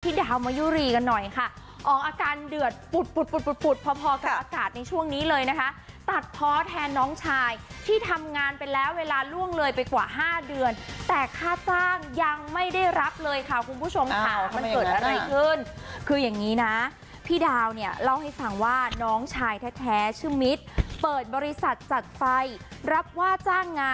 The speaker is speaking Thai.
ดาวมะยุรีกันหน่อยค่ะออกอาการเดือดปุดปุดปุดปุดปุดพอพอกับอากาศในช่วงนี้เลยนะคะตัดเพาะแทนน้องชายที่ทำงานไปแล้วเวลาล่วงเลยไปกว่า๕เดือนแต่ค่าจ้างยังไม่ได้รับเลยค่ะคุณผู้ชมค่ะมันเกิดอะไรขึ้นคืออย่างนี้นะพี่ดาวเนี่ยเล่าให้ฟังว่าน้องชายแท้ชื่อมิตรเปิดบริษัทจัดไฟรับว่าจ้างง